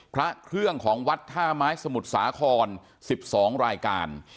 พระเครื่องของวัดท่าไม้สมุทรสาคร๑๒รายการ